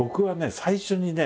最初にね